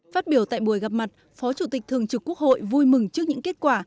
phát biểu tại buổi gặp mặt phó chủ tịch thường trực quốc hội vui mừng trước những kết quả